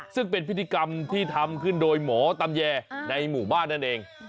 ซึ่งเป็นพิธีกรรมที่ทำขึ้นโดยหมอตำแยในหมู่บ้านนั่นเอง